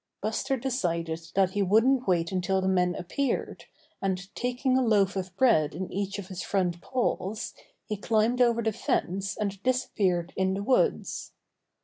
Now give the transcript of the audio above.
Buster decided that he wouldn't wait until the men appeared, and taking a loaf of bread in each of his front paws he climbed over the fence and disappeared in the woods.